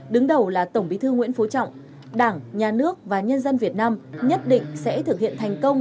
đứng đầu là tổng bí thư nguyễn phú trọng đảng nhà nước và nhân dân việt nam nhất định sẽ thực hiện thành công